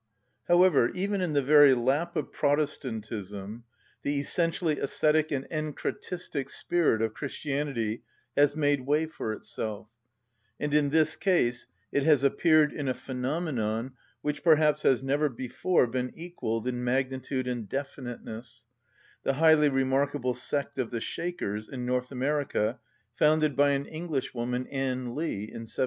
However, even in the very lap of Protestantism, the essentially ascetic and encratistic spirit of Christianity has made way for itself; and in this case it has appeared in a phenomenon which perhaps has never before been equalled in magnitude and definiteness, the highly remarkable sect of the Shakers, in North America, founded by an Englishwoman, Anne Lee, in 1774.